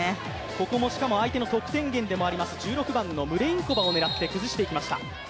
ここもしかも相手の得点源でもあります、１６番のムレインコバを狙って崩していきました。